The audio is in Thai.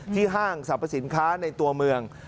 ห้างสรรพสินค้าในตัวเมือง